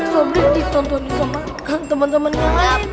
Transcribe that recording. sobring ditontonin sama temen temennya